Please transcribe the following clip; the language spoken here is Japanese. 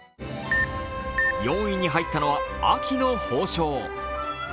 ４位に入ったのは秋の褒章。